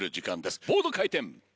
ボード回転！